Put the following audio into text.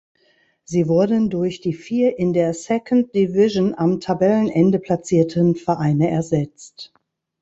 Sie wurden durch die vier in der Second Division am Tabellenende platzierten Vereine ersetzt.